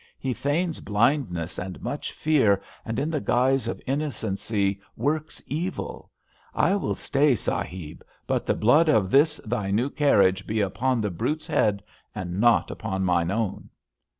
He feigns blindness and much fear, and in the guise of innocency works evil. I will stay, sahib, but the blood of this thy new carriage be upon the brute's head and not upon mine own."